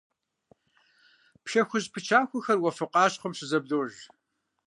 Пшэ хужь пычахуэхэр уафэ къащхъуэм щызэблож.